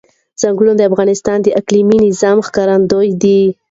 ځنګلونه د افغانستان د اقلیمي نظام ښکارندوی ده.